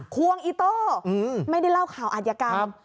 ควงอีโต้ไม่ได้เล่าข่าวอัธยกรรม